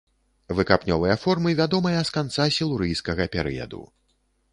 Выкапнёвыя формы вядомыя з канца сілурыйскага перыяду.